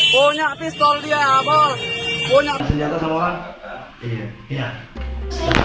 punya pistol dia apa